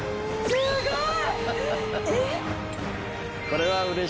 すごい。